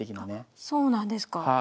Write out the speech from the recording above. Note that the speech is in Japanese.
あそうなんですか？